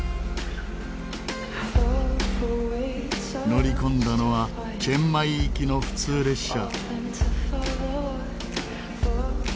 乗り込んだのはチェンマイ行きの普通列車。